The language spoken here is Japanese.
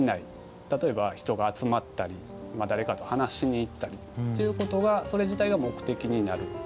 例えば人が集まったり誰かと話しに行ったりっていうことがそれ自体が目的になる。